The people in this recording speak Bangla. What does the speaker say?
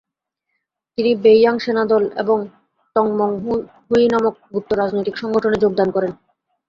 তিনি বেইয়াং সেনাদল এবং তংমংহুই নামক গুপ্ত রাজনৈতিক সংগঠনে যোগদান করেন।